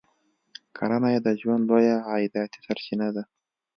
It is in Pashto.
کرنه یې د ژوند لویه عایداتي سرچینه ده.